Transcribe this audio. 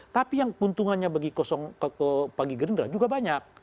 tapi yang keuntungannya bagi gerindra juga banyak